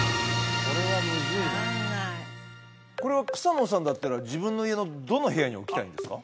これは草野さんだったら自分の家のどの部屋に置きたいんですか？